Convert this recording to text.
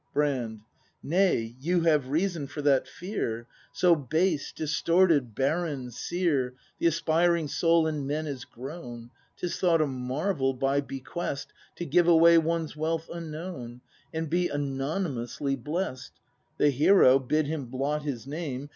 Brand. Nay, you have reason for that fear. So base, distorted, barren, sere. The aspiring soul in men is grown. 'Tis thought a marvel, — by bequest To give away one's wealth unknown. And be anonymously bless'd. The hero, bid him blot his name.